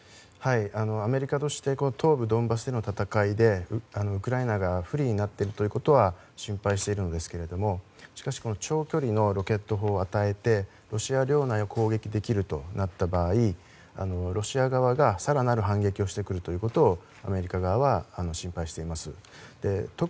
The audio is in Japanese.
アメリカとして東部ドンバスでの戦いでウクライナが不利になっているということは心配しているんですけどもしかし長距離のロケット砲を与えてロシア領内を攻撃できるとなった場合ロシア側が更なる反撃をしてくるということをアメリカ側は心配しています。